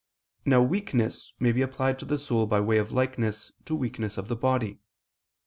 Now weakness may be applied to the soul by way of likeness to weakness of the body.